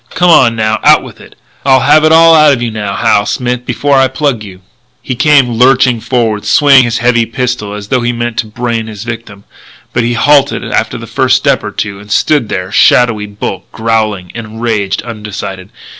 Come on, now, out with it! I'll have it all out of you now, Hal Smith, before I plug you " He came lurching forward, swinging his heavy pistol as though he meant to brain his victim, but he halted after the first step or two and stood there, a shadowy bulk, growling, enraged, undecided.